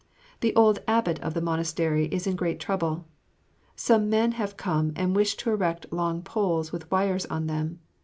The old abbot of the monastery is in great trouble. Some men have come and wish to erect long poles with wires on them.